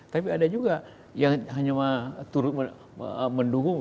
tapi ada juga yang hanya turut mendukung